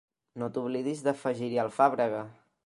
No t'oblidis d'afegir-hi alfàbrega.